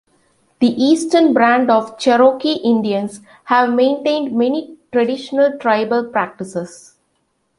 The Eastern Band of Cherokee Indians have maintained many traditional tribal practices.